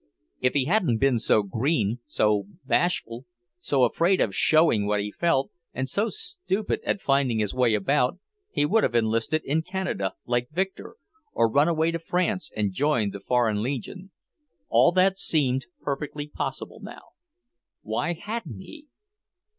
If he hadn't been so green, so bashful, so afraid of showing what he felt, and so stupid at finding his way about, he would have enlisted in Canada, like Victor, or run away to France and joined the Foreign Legion. All that seemed perfectly possible now. Why hadn't he?